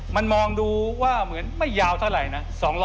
มันมองดูว่าเหมือนไม่ยาวเท่าไหร่นะ